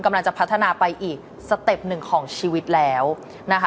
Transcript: กำลังจะพัฒนาไปอีกสเต็ปหนึ่งของชีวิตแล้วนะคะ